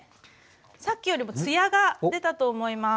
さっきよりも艶が出たと思います。